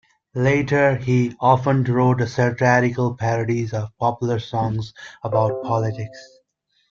Later, he often wrote satirical parodies of popular songs about politics.